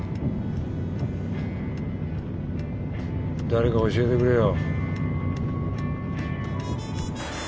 誰か教えてくれよ。